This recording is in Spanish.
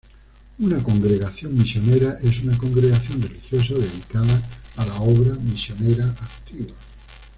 Una congregación misionera es una congregación religiosa dedicada a la obra misionera activa.